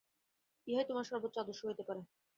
ইহাই তোমার সর্বোচ্চ আদর্শ হইতে পারে।